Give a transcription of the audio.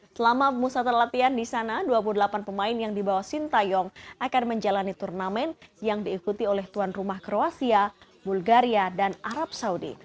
selama pemusatan latihan di sana dua puluh delapan pemain yang dibawa sintayong akan menjalani turnamen yang diikuti oleh tuan rumah kroasia bulgaria dan arab saudi